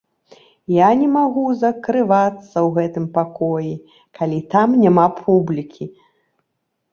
Я не магу закрывацца ў гэтым пакоі, калі там няма публікі.